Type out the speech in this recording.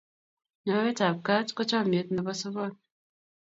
nyowet ab kat ko chamyet nebo sobon